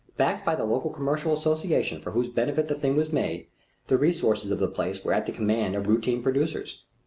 Backed by the local commercial association for whose benefit the thing was made, the resources of the place were at the command of routine producers.